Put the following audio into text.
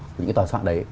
những cái tòa soạn đấy